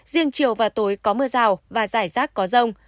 riêng chiều và tối có mưa rào và rải rác có rông